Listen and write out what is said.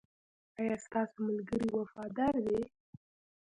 ایا ستاسو ملګري وفادار دي؟